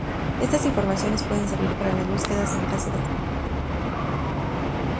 Estas informaciones pueden servir para las búsquedas en caso de accidente.